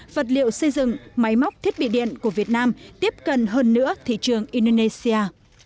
vật liệu xây dựng máy móc thiết bị điện của việt nam tiếp cận hơn nữa thị trường indonesia